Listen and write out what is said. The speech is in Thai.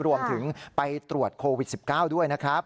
รวมไปถึงไปตรวจโควิด๑๙ด้วยนะครับ